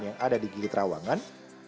yang ada di gili trawangan